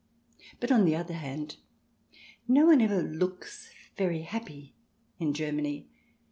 But, on the other hand, no one ever looks very happy in Germany.